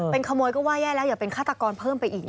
เป็นขโมยก็ว่าแย่แล้วอย่าเป็นฆาตกรเพิ่มไปอีก